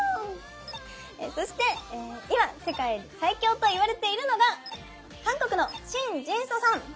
そして今世界最強といわれているのが韓国のシンジンソさん。